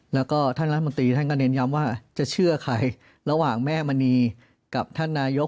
แล้วก็ท่านรัฐมนตรีท่านก็เน้นย้ำว่าจะเชื่อใครระหว่างแม่มณีกับท่านนายก